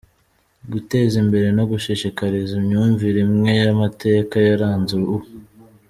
Guteza imbere no gushishikaliza imyumvire imwe y’amateka yaranze u